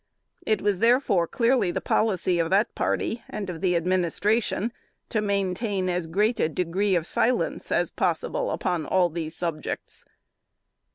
It was therefore clearly the policy of that party, and of the Administration, to maintain as great a degree of silence as possible upon all these subjects.